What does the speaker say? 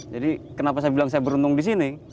jadi kenapa saya bilang saya beruntung di sini